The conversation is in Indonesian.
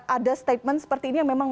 ada statement seperti ini yang memang